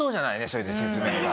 それで説明が。